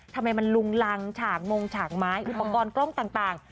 ทำไมมันลุงรังฉากมงฉากไม้อุปกรณ์กล้องต่าง